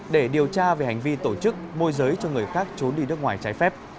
để điều tra về hành vi tổ chức môi giới cho người khác trốn đi nước ngoài trái phép